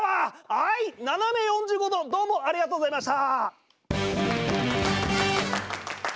あいななめ４５°どうもありがとうございました！